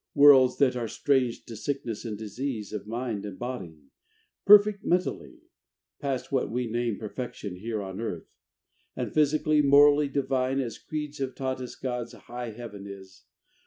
Worlds that are strange to sickness and disease Of mind and body; perfect mentally, Past what we name perfection here on Earth, And physically. Morally divine As creeds have taught us God's high Heaven is.